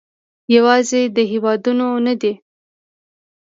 یوازې دا هېوادونه نه دي